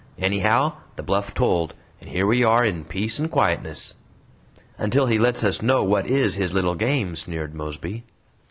Anyhow, the bluff told and here we are in peace and quietness." "Until he lets us know what is his little game," sneered Mosby.